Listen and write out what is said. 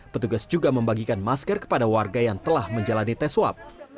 petugas juga membagikan masker kepada warga yang telah menjalani tes swab